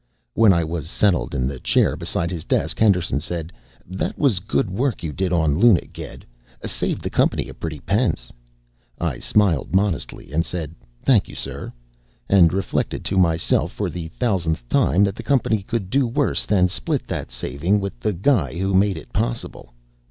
When I was settled in the chair beside his desk, Henderson said, "That was good work you did on Luna, Ged. Saved the company a pretty pence." I smiled modestly and said, "Thank you, sir." And reflected to myself for the thousandth time that the company could do worse than split that saving with the guy who'd made it possible.